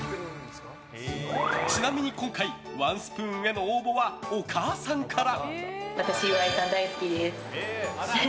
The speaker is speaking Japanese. ちなみに今回ワンスプーンへの応募はお母さんから。